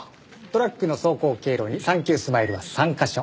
トラックの走行経路に３９スマイルは３カ所。